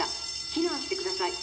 避難してください。